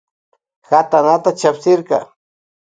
Katanata chapsirka.